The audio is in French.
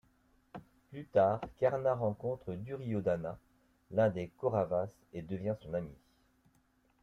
Plus tard, Karna rencontre Duryodhana, l'un des Kauravas, et devient son ami.